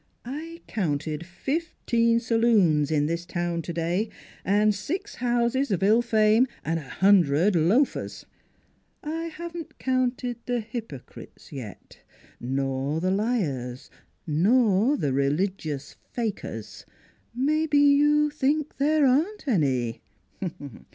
I counted fifteen saloons in this town today and six houses of ill fame and a hundred loafers. I haven't counted the hypocrites yet, nor the liars, nor the religious fakers. Maybe you think there aren't any.